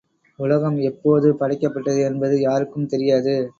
உலகம் எப்போது படைக்கப்பட்டது என்பது யாருக்கும் தெரியாது.